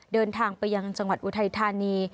เดินทางไปยังจังหวัดอุทัยธานี